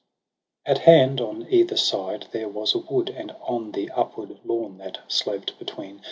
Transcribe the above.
r At hand on either side there was a wood j And on the upward lawn, that sloped between.